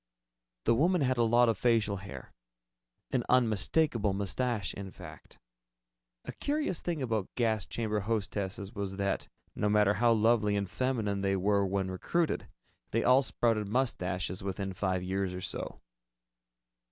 The woman had a lot of facial hair an unmistakable mustache, in fact. A curious thing about gas chamber hostesses was that, no matter how lovely and feminine they were when recruited, they all sprouted mustaches within five years or so.